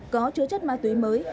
có chứa chất ma túy mới